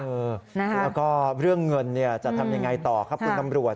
แล้วก็เรื่องเงินจะทำยังไงต่อครับคุณตำรวจ